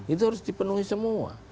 itu harus dipenuhi semua